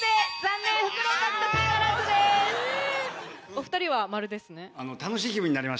お２人は「○」ですね。